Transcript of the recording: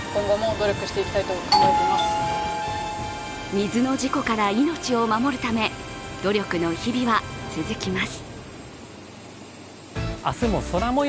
水の事故から命を守るため努力の日々は続きます。